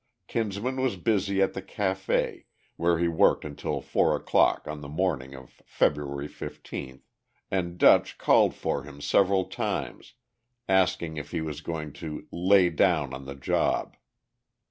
Kinsman was busy at the café, where he worked until four o'clock on the morning of February 15, and "Dutch" called for him several times, asking if he was going to "lay down on the job."